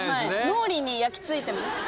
脳裏に焼き付いてます。